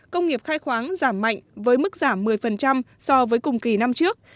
công nghiệp khai khoáng giảm mạnh với mức giảm một mươi so với cùng kỳ năm trước